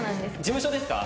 事務所ですか？